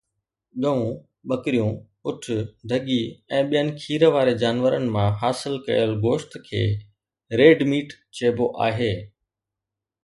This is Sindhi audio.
ڳئون، ٻڪريون، اُٺ، ڍڳي ۽ ٻين کير واري جانورن مان حاصل ڪيل گوشت کي ريڊ ميٽ چئبو آهي.